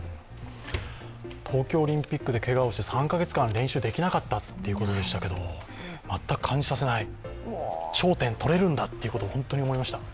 東京オリンピックでけがをして３カ月間、練習できなかったってことでしたけど全く感じさせない、頂点取れるんだということを本当に思いました。